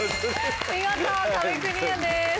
見事壁クリアです。